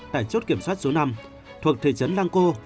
tại chốt kiểm soát số năm thuộc thị trấn lang co